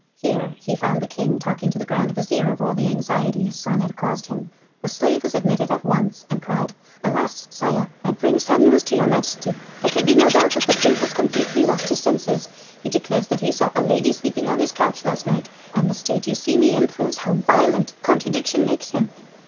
Here he found the king talking to the grand vizir of all the anxiety his son had caused him. The slave was admitted at once and cried: "Alas, Sire! I bring sad news to your Majesty. There can be no doubt that the prince has completely lost his senses. He declares that he saw a lady sleeping on his couch last night, and the state you see me in proves how violent contradiction makes him."